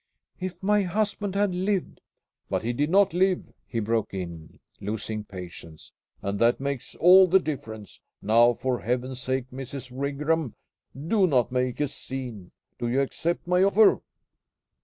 "If my husband had lived " "But he did not live," he broke in, losing patience, "and that makes all the difference. Now, for Heaven's sake, Mrs. Wigram, do not make a scene! Do you accept my offer?"